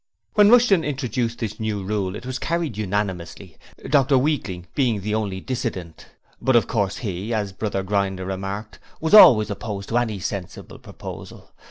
When Rushton introduced this new rule it was carried unanimously, Dr Weakling being the only dissentient, but of course he as Brother Grinder remarked was always opposed to any sensible proposal.